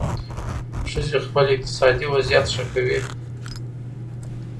ښځې خپل اقتصادي وضعیت ښه کوي.